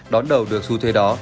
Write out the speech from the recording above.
đón đầu được xu thế đó